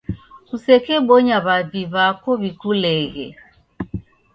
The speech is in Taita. kusekebonya w'avi w'ako w'ikuleghe.